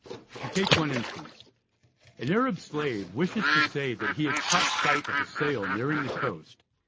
To take one instance: an Arab slave wishes to say that he has caught sight of a sail nearing the coast.